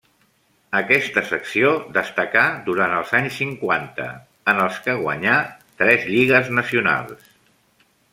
Aquesta secció destacà durant els anys cinquanta, en els que guanyà tres lligues nacionals.